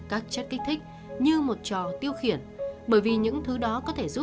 và thế này không phải ở đâu